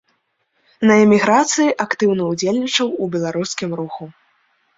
На эміграцыі актыўна ўдзельнічаў у беларускім руху.